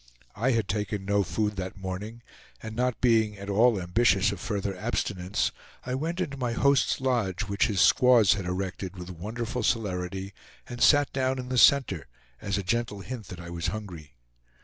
I had taken no food that morning, and not being at all ambitious of further abstinence, I went into my host's lodge, which his squaws had erected with wonderful celerity, and sat down in the center, as a gentle hint that I was hungry.